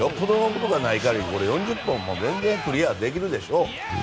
ことがない限り４０本もクリアできるでしょう。